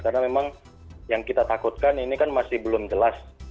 karena memang yang kita takutkan ini kan masih belum jelas